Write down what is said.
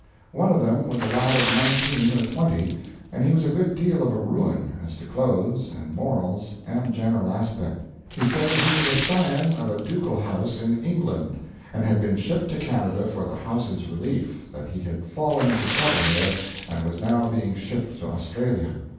One of them was a lad of nineteen or twenty, and he was a good deal of a ruin, as to clothes, and morals, and general aspect. He said he was a scion of a ducal house in England, and had been shipped to Canada for the house's relief, that he had fallen into trouble there, and was now being shipped to Australia.